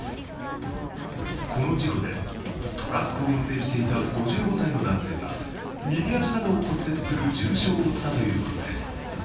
この事故で、トラックを運転していた５５歳の男性が右足などを骨折する重傷を負ったということです。